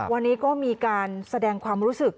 วันนี้ก็มีการแสดงความรู้สึก